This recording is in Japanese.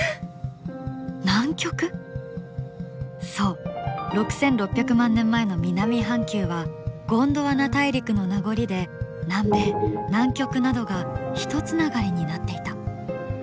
そう６６００万年前の南半球はゴンドワナ大陸の名残で南米南極などがひとつながりになっていた。